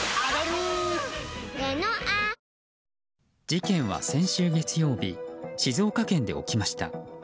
事件は先週月曜日静岡県で起きました。